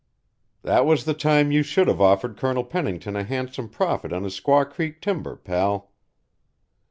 "That was the time you should have offered Colonel Pennington a handsome profit on his Squaw Creek timber, pal."